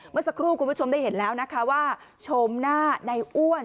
เมื่อสักครู่คุณผู้ชมได้เห็นแล้วนะคะว่าชมหน้าในอ้วน